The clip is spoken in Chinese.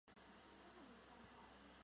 松木宗显。